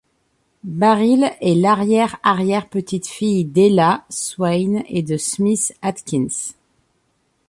Barile est l'arrière-arrière petite fille d'Ella Swain et de Smith Atkins.